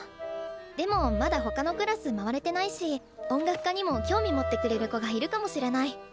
でもまだ他のクラス回れてないし音楽科にも興味持ってくれる子がいるかもしれない。